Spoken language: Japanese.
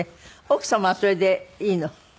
奥様はそれでいいの？